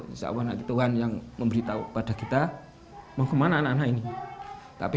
insya allah tuhan yang memberitahu kepada kita mau ke mana anak anak ini